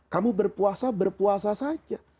kamu berpuasa berpuasa saja